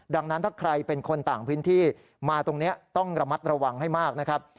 ดังนั้นถ้าใครเป็นคนต่างพื้นที่มาตรงนี้ต้องระมัดระวังให้มากนะครับ